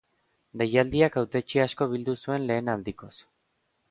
Deialdiak hautetsi asko bildu zuen lehen aldikoz.